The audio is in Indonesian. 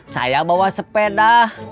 saya bawa sepeda